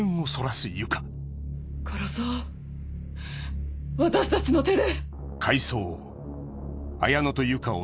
殺そう私たちの手で！